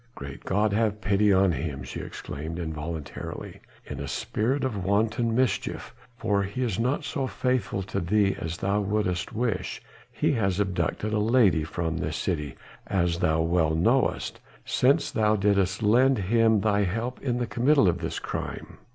"Great God, have pity on him!" she exclaimed involuntarily. "In a spirit of wanton mischief for he is not so faithful to thee as thou wouldst wish he has abducted a lady from this city, as thou well knowest, since thou didst lend him thy help in the committal of this crime.